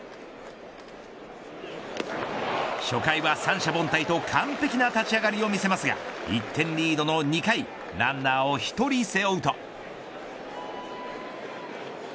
初回は三者凡退と完璧な立ち上がりを見せますが１点リードの２回ランナーを１人背負うと。